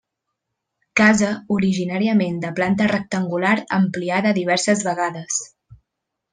Casa originàriament de planta rectangular ampliada diverses vegades.